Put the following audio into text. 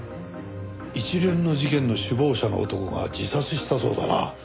一連の事件の首謀者の男が自殺したそうだな。